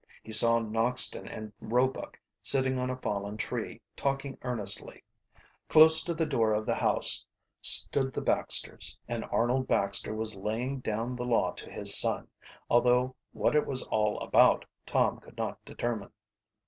He saw Noxton and Roebuck sitting on a fallen tree talking earnestly. Close to the door of the house stood the Baxters, and Arnold Baxter was laying down the law to his son, although what it was all about Tom could not determine.